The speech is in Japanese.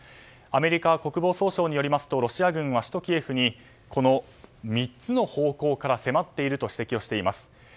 アメリカ国防総省によりますとロシア軍は首都キエフにこの３つの方向から迫っていると指摘をしています。